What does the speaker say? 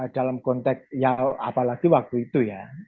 dalam konteks ya apalagi waktu itu ya